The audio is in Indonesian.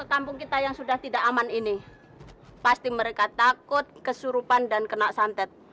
kampung kita yang sudah tidak aman ini pasti mereka takut kesurupan dan kena santet